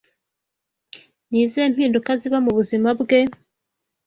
Ni izihe mpinduka ziba mu buzima bwe?